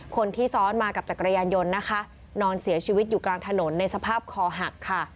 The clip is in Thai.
คนที่ซ้อนมากับจักรยานยนต์นะคะนอนเสียชีวิตอยู่กลางถนนในสภาพคอหักค่ะ